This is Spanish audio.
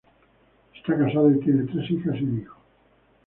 Está casado y tiene tres hijas y un hijo.